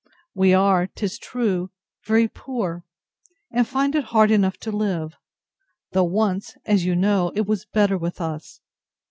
We are, 'tis true, very poor, and find it hard enough to live; though once, as you know, it was better with us.